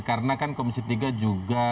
karena kan komisi tiga juga